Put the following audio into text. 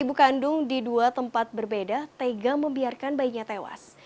ibu kandung di dua tempat berbeda tega membiarkan bayinya tewas